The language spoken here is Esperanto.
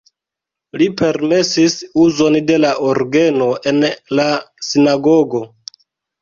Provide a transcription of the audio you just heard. Li permesis uzon de la orgeno en la sinagogo.